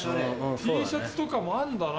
Ｔシャツとかもあんだな。